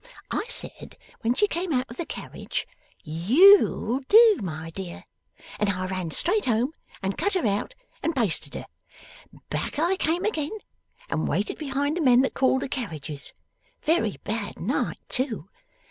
I said when she came out of the carriage, "YOU'll do, my dear!" and I ran straight home and cut her out and basted her. Back I came again, and waited behind the men that called the carriages. Very bad night too.